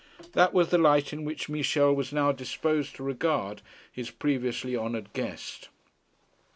That was the light in which Michel was now disposed to regard his previously honoured guest.